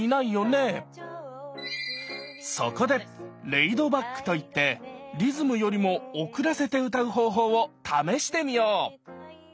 そこで「レイドバック」といってリズムよりも遅らせて歌う方法を試してみよう！